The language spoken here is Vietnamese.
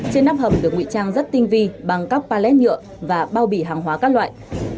trên nắp hầm được nguy trang rất tinh vi bằng các pallet nhựa và bao bì hàng hóa các loại